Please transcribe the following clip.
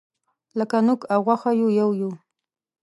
لکه نوک او غوښه یو یو یوو.